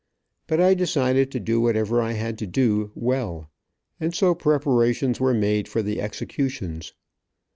But I decided to do whatever I had to do, well, and so preparations were made for the executions.